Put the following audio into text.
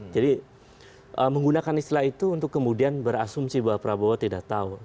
jadi menggunakan istilah itu untuk kemudian berasumsi bahwa prabowo tidak tahu